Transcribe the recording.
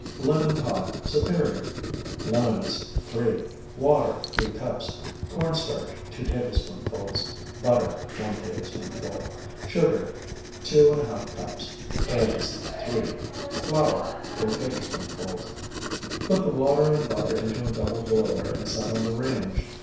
LEMON PIE (SUPERIOR) Lemons, 3. Water, 3 cups. Corn starch, 2 tablespoonfuls. Butter, 1 tablespoonful. Sugar, 2½ cups. Eggs, 3. Flour, 4 tablespoonfuls. Put the water and butter into a double boiler and set on the range.